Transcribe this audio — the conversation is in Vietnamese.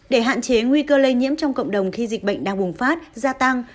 để hạn chế nguy cơ lây nhiễm trong cộng đồng khi dịch bệnh đang bùng phát gia tăng